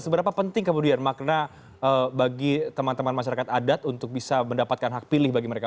seberapa penting kemudian makna bagi teman teman masyarakat adat untuk bisa mendapatkan hak pilih bagi mereka